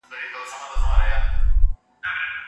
ایا ځايي کروندګر انځر اخلي؟